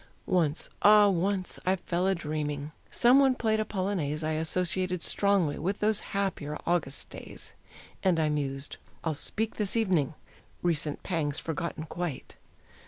Once, ah! once I fell a dreaming; some one played a polonaise I associated strongly with those happier August days; And I mused, "I'll speak this evening," recent pangs forgotten quite.